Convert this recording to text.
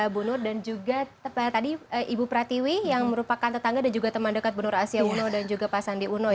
bu nur dan juga tadi ibu pratiwi yang merupakan tetangga dan juga teman dekat bu nur asia uno dan juga pak sandi uno